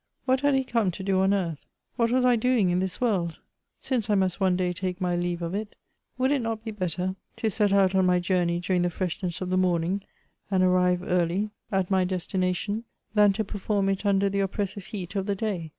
What had he come to do on earth 7 What was I doing in this world ? Since I must one day take my leave of it, would it not be better to set out on my journey during the freshness of the morning, and arrive early at my destination, than to perform it under the oppressive heat of the day